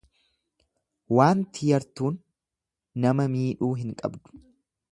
Waanti yertuun nama miidhuu hin qabdu.